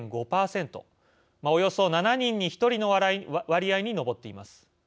およそ７人に１人の割合に上っています。